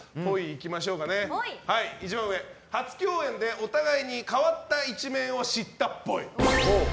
初共演でお互いに変わった一面を知ったっぽい。